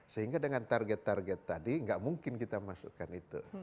sehingga dengan target target tadi nggak mungkin kita masukkan itu